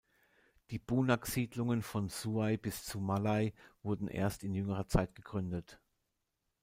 Die Bunak-Siedlungen von Suai bis Zumalai wurden erst in jüngerer Zeit gegründet.